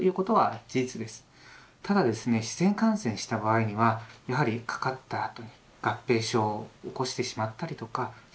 自然感染した場合にはやはりかかったあとに合併症を起こしてしまったりとかそのあと後遺症。